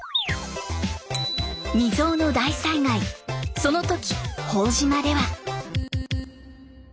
未曽有の大災害その時朴島では。